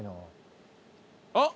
あっ！